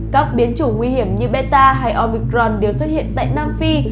các biến chủ nguy hiểm như beta hay omicron đều xuất hiện tại nam phi